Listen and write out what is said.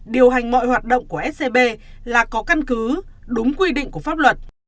điều hành mọi hoạt động của scb là có căn cứ đúng quy định của pháp luật